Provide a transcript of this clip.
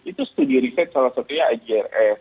itu studi riset salah satunya igrs